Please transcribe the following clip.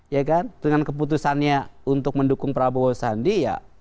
ya kan dengan keputusannya untuk mendukung prabowo sandi ya